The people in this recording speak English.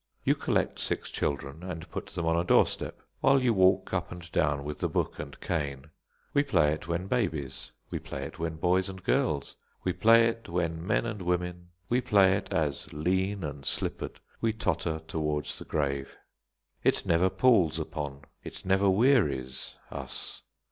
You collect six children, and put them on a doorstep, while you walk up and down with the book and cane. We play it when babies, we play it when boys and girls, we play it when men and women, we play it as, lean and slippered, we totter towards the grave. It never palls upon, it never wearies us.